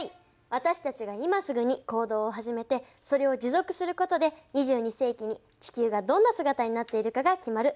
私たちが今すぐに行動を始めてそれを持続することで２２世紀に地球がどんな姿になっているかが決まる。